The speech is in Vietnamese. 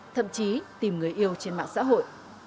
thậm chí tìm người yêu trên mạng xã hội